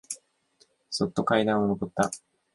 そっと階段をのぼった。